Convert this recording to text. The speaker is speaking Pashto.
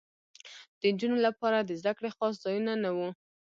د نجونو لپاره د زدکړې خاص ځایونه نه وو